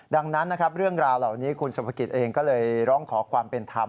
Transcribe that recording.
ดังนั้นนะครับเรื่องราวเหล่านี้คุณสุภกิจเองก็เลยร้องขอความเป็นธรรม